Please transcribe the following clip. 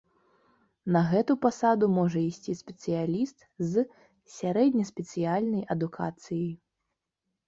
На гэтую пасаду можа ісці спецыяліст з сярэднеспецыяльнай адукацыяй.